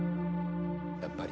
やっぱり。